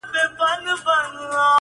د ژوند پر هره لاره و بلا ته درېږم!!